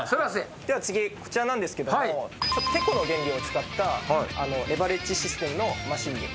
では次こちらなんですけどもてこの原理を使ったレバレッジシステムのマシン。